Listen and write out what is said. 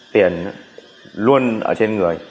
tiền luôn ở trên người